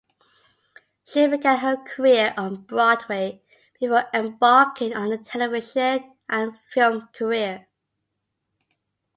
She began her career on Broadway before embarking on a television and film career.